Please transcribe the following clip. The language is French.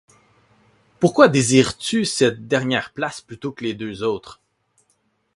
Pourquoi désires-tu cette dernière place plutôt que les deux autres?